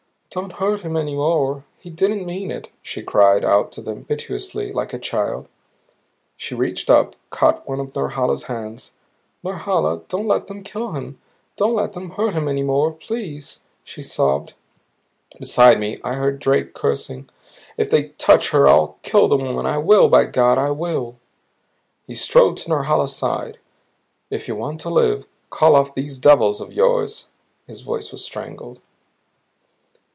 "Don't hurt him any more! He didn't mean it!" she cried out to them piteously like a child. She reached up, caught one of Norhala's hands. "Norhala don't let them kill him. Don't let them hurt him any more. Please!" she sobbed. Beside me I heard Drake cursing. "If they touch her I'll kill the woman! I will, by God I will!" He strode to Norhala's side. "If you want to live, call off these devils of yours." His voice was strangled.